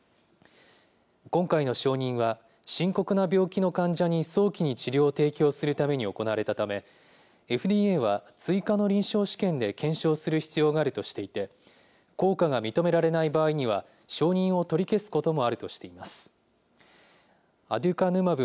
今回の承認は、深刻な病気の患者に、早期に治療を提供するために行われたため、ＦＤＡは追加の臨床試験で検証する必要があるとしていて、効果が認められない場合には承認を取り消すこともあるとしています。